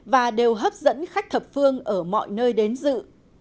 và đều hấp dẫn khách thập phương ở mọi nơi đến dự